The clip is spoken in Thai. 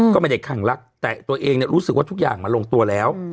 ก็ไม่ได้คั่งรักแต่ตัวเองรู้สึกว่าทุกอย่างมันลงตัวแล้ว